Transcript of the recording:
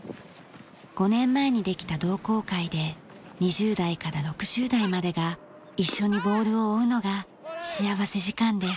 ５年前にできた同好会で２０代から６０代までが一緒にボールを追うのが幸福時間です。